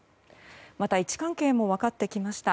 また位置関係も分かってきました。